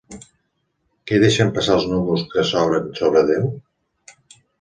Què deixen passar els núvols que s'obren sobre Déu?